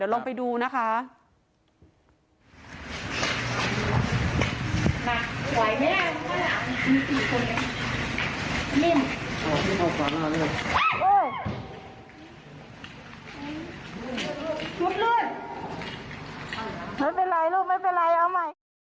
ไม่เป็นไรลูกเอาใหม่